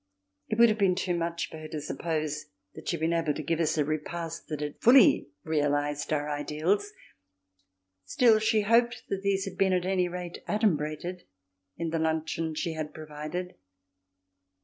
It would have been too much for her to suppose that she had been able to give us a repast that had fully realised our ideals, still she hoped that these had been, at any rate, adumbrated in the luncheon she had provided.